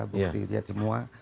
bukti dia semua